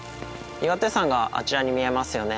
岩手山があちらに見えますよね。